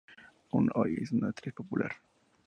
Aún hoy es una actriz popular.